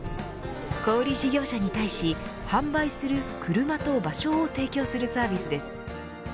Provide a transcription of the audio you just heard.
小売り事業者に対し販売する車と場所を提供するサービスです。